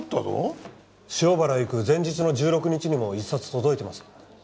塩原へ行く前日の１６日にも１冊届いてます。